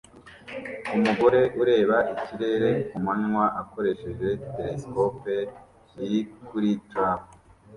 Umugore ureba ikirere kumanywa akoresheje telesikope iri kuri trapo